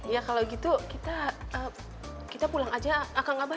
ya kalau gitu kita pulang aja akal abah